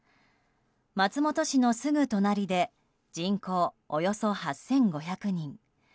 松本市のすぐ隣で人口およそ８５００人。